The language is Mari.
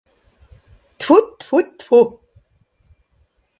Тьфу, тьфу, тьфу!